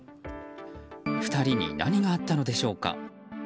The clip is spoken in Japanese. ２人に何があったのでしょうか。